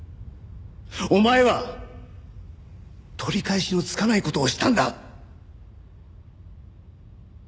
お前は取り返しのつかない事をしたんだ！